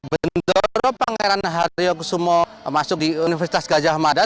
bendoro pangeran haryo kusumo masuk di universitas gajah mada